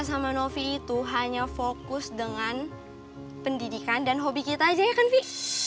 sama novi itu hanya fokus dengan pendidikan dan hobi kita aja ya kan vi